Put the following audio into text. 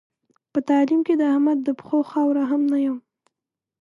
په تعلیم کې د احمد د پښو خاوره هم نه یم.